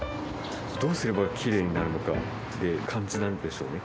どうすればきれいになるのかって感じなんでしょうね